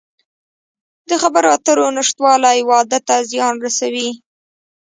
د خبرو اترو نشتوالی واده ته زیان رسوي.